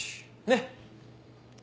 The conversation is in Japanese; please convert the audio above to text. ねっ？